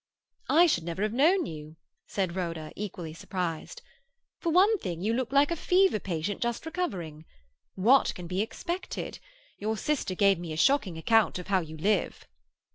"I should never have known you," said Rhoda, equally surprised. "For one thing, you look like a fever patient just recovering. What can be expected? Your sister gave me a shocking account of how you live."